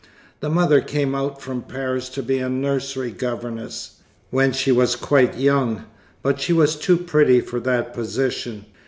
The mother came out from Paris to be a nursery governess, when she was quite young, but she was too pretty for that position.